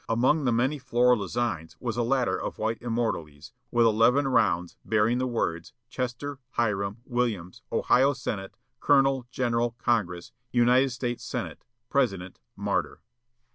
Among the many floral designs was a ladder of white immortelles, with eleven rounds, bearing the words: "Chester," "Hiram," "Williams," "Ohio Senate," "Colonel," "General," "Congress," "United States Senate," "President," "Martyr."